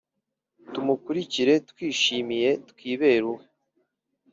Tumukurikire twishimye, twibere uwe